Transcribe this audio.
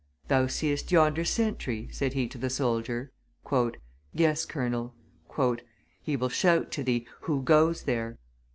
"Thou seest yonder sentry?" said he to the soldier. "Yes, colonel." "He will shout to thee, 'Who goes there?